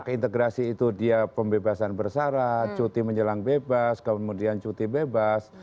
hak integrasi itu dia pembebasan bersara cuti menjelang bebas kemudian cuti bebas